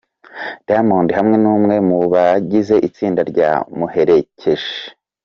Diamond hamwe n'umwe mu bagize itsinda ryamuherekeje.